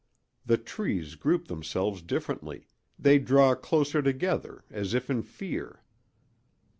The trees group themselves differently; they draw closer together, as if in fear.